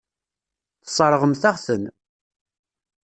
Tesseṛɣemt-aɣ-ten.